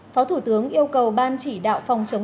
phó thủ tướng yêu cầu ban chỉ đạo phòng chống